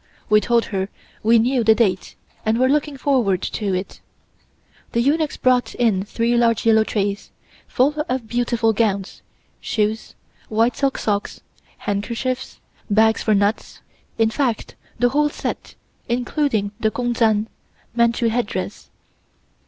We told her we knew the date, and were looking forward to it. The eunuchs brought in three large yellow trays, full of beautiful gowns, shoes, white silk socks, handkerchiefs, bags for nuts, in fact the whole set, including the gu'un dzan (Manchu headdress).